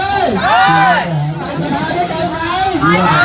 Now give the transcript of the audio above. ต้องแก้ต้องแก้ต้องแก้